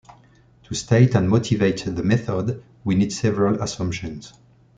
To state and motivate the method, we need several assumptions.